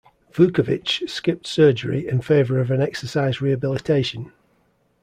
Vuckovich skipped surgery in favor of an exercise rehabilitation.